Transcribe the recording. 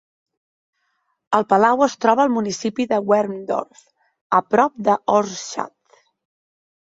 El palau es troba al municipi de Wermsdorf, a prop de Oschatz.